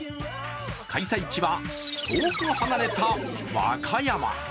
開催地は遠く離れた和歌山。